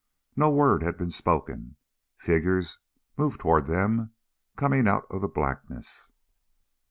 No word had been spoken. Figures moved toward them, coming out of the blackness.